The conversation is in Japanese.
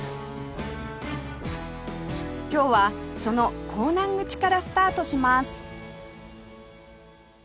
今日はその港南口からスタートします